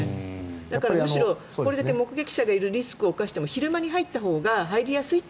だから、これだけ目撃者がいるリスクを冒しても昼間に入ったほうが入りやすい。